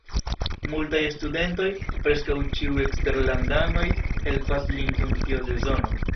Multaj studentoj, preskaŭ ĉiuj eksterlandanoj, helpas lin dum tiu sezono.